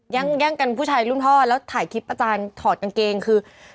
แย่งกันผู้ชายรุ่นท่อแล้วถ่ายคลิปอาจารย์ถอดกางเกงคือ